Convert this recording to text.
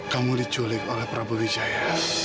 kamu diculik oleh prabowo wijaya